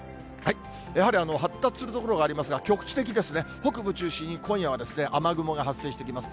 やはり発達する所がありますが、局地的ですね、北部中心に、今夜は雨雲が発生してきます。